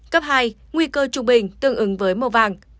cấp hai nguy cơ trung bình tương ứng với màu vàng